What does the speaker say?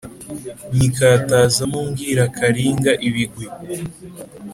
nyikatazamo mbwira Karinga ibigwi.